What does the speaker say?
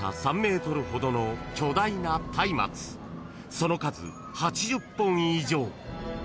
［その数８０本以上］